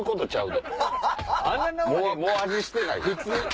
もう味してないで。